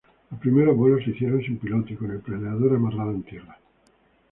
Los primeros vuelos se hicieron sin piloto, y con el planeador amarrado en tierra.